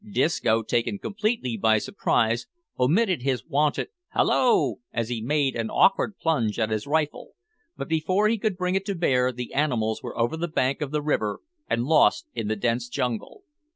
Disco, taken completely by surprise, omitted his wonted "Hallo!" as he made an awkward plunge at his rifle, but before he could bring it to bear, the animals were over the bank of the river and lost in the dense jungle.